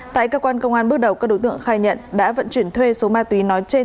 tại cơ quan công an bước đầu các đối tượng khai nhận đã vận chuyển thuê số ma túy nói trên